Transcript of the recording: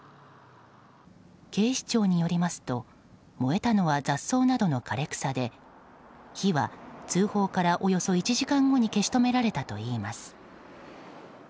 警視庁によりますと燃えたのは雑草などの枯れ草で火は通報からおよそ１時間後に消し止められたといいます。